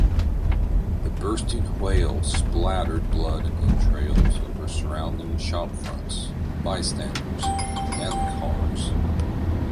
The bursting whale splattered blood and entrails over surrounding shop fronts, bystanders, and cars.